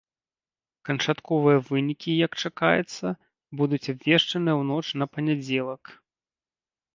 Канчатковыя вынікі, як чакаецца, будуць абвешчаныя ў ноч на панядзелак.